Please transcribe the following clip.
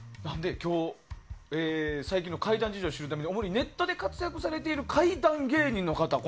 今日、最近の怪談事情を知るために主にネットで活躍されている怪談芸人の方が